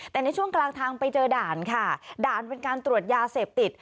แต่ในช่วงกลางทางไปเจอด่านค่ะด่านเป็นการตรวจยาเสพติด